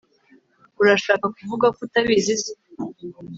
urashaka kuvuga ko utabizi se